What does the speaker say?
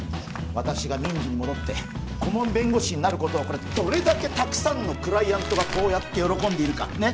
私が民事に戻って顧問弁護士になることをどれだけたくさんのクライアントがこうやって喜んでいるかねっ！